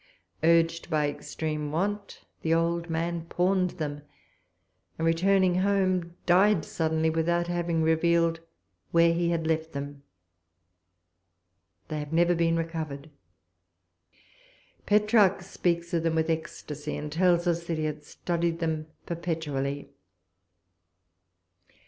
Urged by extreme want, the old man pawned them, and returning home died suddenly without having revealed where he had left them. They have never been recovered. Petrarch speaks of them with ecstasy, and tells us that he had studied them perpetually.